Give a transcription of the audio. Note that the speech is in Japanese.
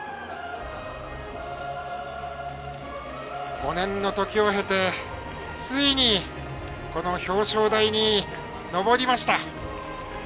５年の時を経て、ついにこの表彰台に上りました。